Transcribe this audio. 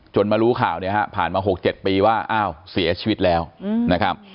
จนมารู้ข่าวนี้ผ่านมา๖๗ปีว่าเสียชีวิตแล้วนะครับ